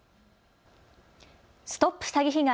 ＳＴＯＰ詐欺被害！